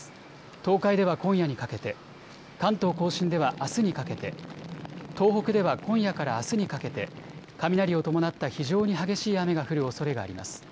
東海では今夜にかけて、関東甲信ではあすにかけて、東北では今夜からあすにかけて雷を伴った非常に激しい雨が降るおそれがあります。